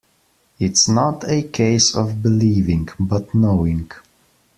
It's not a case of believing, but knowing.